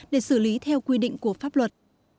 để xử lý theo quy định của pháp luật